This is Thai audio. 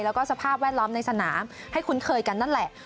แล้วก็สภาพแวดล้อมในสนามให้คุ้นเคยกันนั่นแหละ